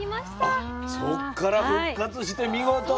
あっそっから復活して見事の。